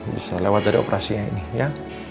bisa lewat dari operasinya ini ya